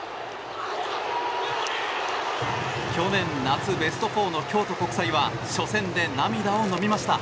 去年夏、ベスト４の京都国際は初戦で涙をのみました。